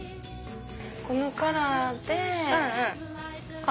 このカラーで。